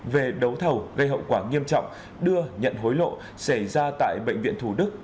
về đấu thầu gây hậu quả nghiêm trọng đưa nhận hối lộ xảy ra tại bệnh viện thủ đức